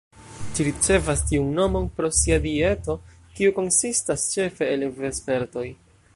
Ĝi ricevas tiun nomon pro sia dieto, kiu konsistas ĉefe el vespertoj.